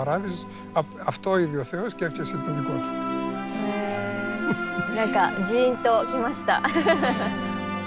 へえ何かジーンときました。